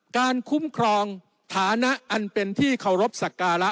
การคุ้มครองฐานะอันเป็นที่เคารพสักการะ